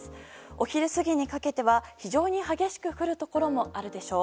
お昼過ぎにかけては非常に激しく降るところもあるでしょう。